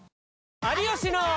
有吉の。